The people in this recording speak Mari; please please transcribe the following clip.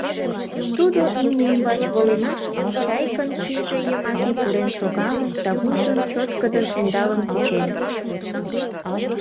Тудо имне ӱмбач воленат, Чайкын шӱйжӧ йымаке пурен шогалын да вуйжым чоткыдын ӧндалын кучен.